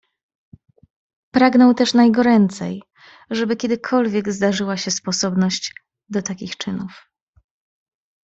Pragnął też najgoręcej, żeby kiedykolwiek zdarzyła się sposobność do takich czynów.